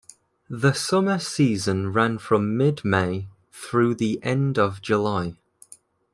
The Summer season ran from mid-May through the end of July.